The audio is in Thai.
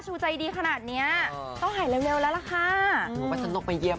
จะได้เจอกับเสาเซา